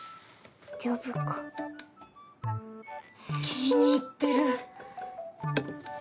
気に入ってる！